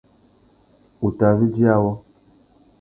Ngu tà zu djï awô.